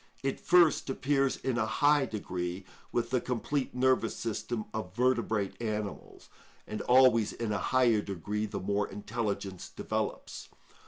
It first appears in a high degree with the complete nervous system of vertebrate animals, and always in a higher degree the more intelligence develops.